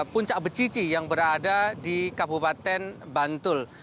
puncak becici yang berada di kabupaten bantul